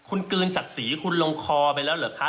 อุดมการศักดิ์สีคุณลงคอไปแล้วหรือคะ